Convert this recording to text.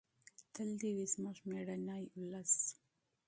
تل دې وي زموږ مېړنی ولس.